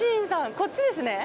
こっちですね。